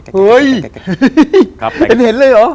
เห้ยมันเห็นเลยหรอ